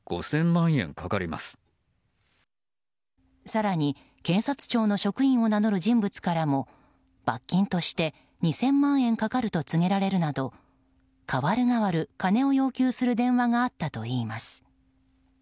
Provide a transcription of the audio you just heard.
更に、検察庁の職員を名乗る人物からも罰金として２０００万円かかると告げられるなどかわるがわる金を要求する電話があったといいます。